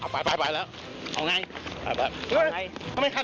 ขอโทษครับ